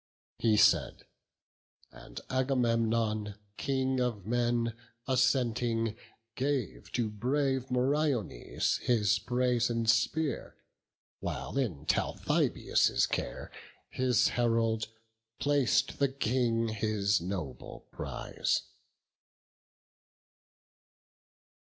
He said; and Agamemnon, King of men, Assenting, gave to brave Meriones The brazen spear; while in Talthybius' care, His herald, plac'd the King his noble prize.